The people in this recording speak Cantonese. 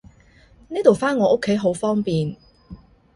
呢度返我屋企好方便